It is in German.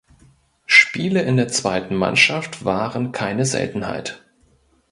Spiele in der zweiten Mannschaft waren keine Seltenheit.